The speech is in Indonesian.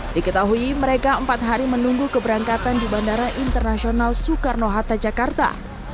diketahui mereka empat hari menunggu keberangkatan di bandara internasional soekarno hatta jakarta